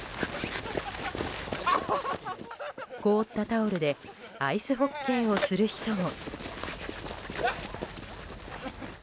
凍ったタオルでアイスホッケーをする人も。